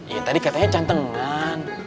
ya tadi katanya cantengan